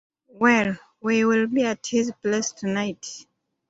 Well, we will be at his place tonight.